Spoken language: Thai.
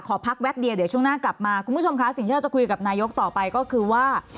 พักแป๊บเดียวเดี๋ยวช่วงหน้ากลับมาคุณผู้ชมค่ะสิ่งที่เราจะคุยกับนายกต่อไปก็คือว่า